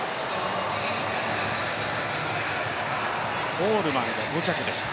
コールマンが５着でした。